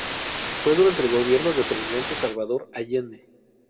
Fue durante el gobierno del presidente Salvador Allende.